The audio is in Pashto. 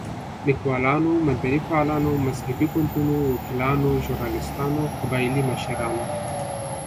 ليکوالانو، مدني فعالانو، مذهبي ګوندونو، وکيلانو، ژورناليستانو، قبايلي مشرانو